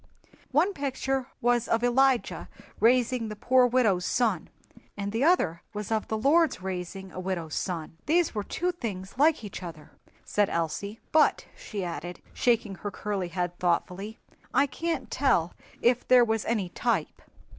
"One picture was of Elijah raising the poor widow's son, and the other was of the Lord's raising a widow's son. These were two things like each other," said Elsie; "but," she added, shaking her curly head thoughtfully, "I can't tell if there was any type."